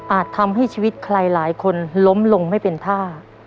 ทำให้ชีวิตใครหลายคนล้มลงไม่เป็นท่า